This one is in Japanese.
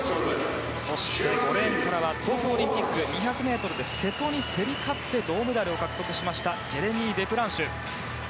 そして、５レーンからは東京オリンピック２００ｍで瀬戸に競り勝って銅メダルを獲得しましたジェレミー・デプランシュ。